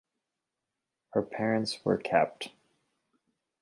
Her parents were Capt.